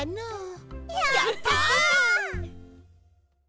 やった！